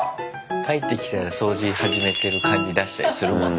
帰ってきたら掃除始めてる感じ出したりするもんな。